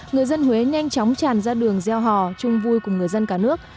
người dân huế nhanh chóng tràn ra đường gieo hò chung vui cùng người dân cả nước